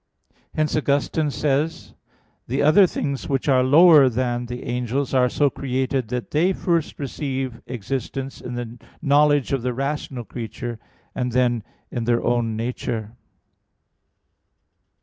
Hence Augustine says (Gen. ad lit. ii, 8): "The other things which are lower than the angels are so created that they first receive existence in the knowledge of the rational creature, and then in their own nature."